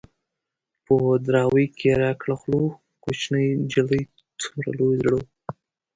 په دراوۍ کې را کړه خوله ـ کوشنۍ نجلۍ څومره لوی زړه